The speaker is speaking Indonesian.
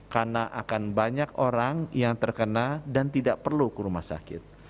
karena akan banyak orang yang terkena dan tidak perlu ke rumah sakit